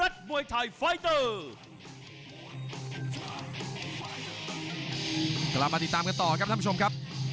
กลับมาติดตามกันต่อครับท่านผู้ชมครับ